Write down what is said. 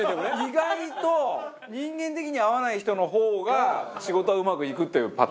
意外と人間的には合わない人の方が仕事はうまくいくというパターンもね。